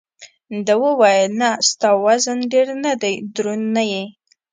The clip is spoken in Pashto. ده وویل: نه، ستا وزن ډېر نه دی، دروند نه یې.